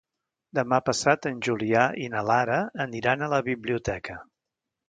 Demà passat en Julià i na Lara aniran a la biblioteca.